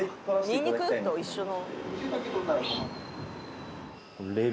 「ニンニク」と一緒の。